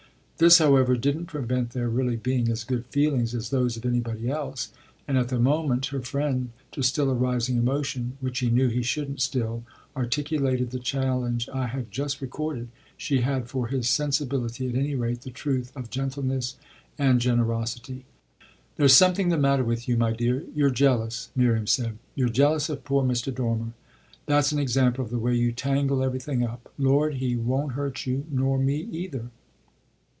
This, however, didn't prevent their really being as good feelings as those of anybody else, and at the moment her friend, to still a rising emotion which he knew he shouldn't still articulated the challenge I have just recorded, she had for his sensibility, at any rate, the truth of gentleness and generosity. "There's something the matter with you, my dear you're jealous," Miriam said. "You're jealous of poor Mr. Dormer. That's an example of the way you tangle everything up. Lord, he won't hurt you, nor me either!"